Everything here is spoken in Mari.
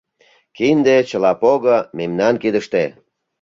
Кинде, чыла пого — мемнан кидыште.